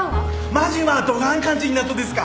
マージンはどがん感じになっとですか？